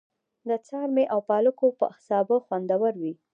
د څارمي او پالکو سابه خوندور وي.